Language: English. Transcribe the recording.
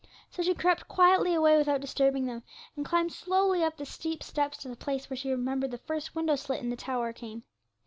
So she crept quietly away without disturbing them, and climbed slowly up the steep steps to the place where she remembered the first window slit in the tower came.